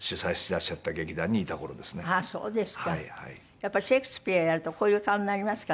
やっぱりシェイクスピアやるとこういう顔になりますかね。